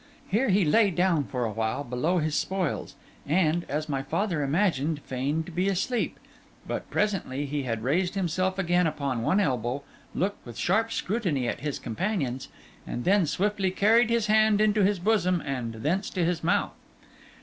Here he lay down for a while below his spoils, and, as my father imagined, feigned to be asleep; but presently he had raised himself again upon one elbow, looked with sharp scrutiny at his companions, and then swiftly carried his hand into his bosom and thence to his mouth.